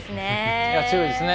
いや強いですね。